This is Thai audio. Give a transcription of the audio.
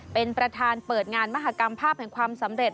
เป็นประธานเปิดงานมหากรรมภาพแห่งความสำเร็จ